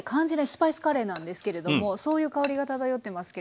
スパイスカレーなんですけれどもそういう香りが漂ってますけれども。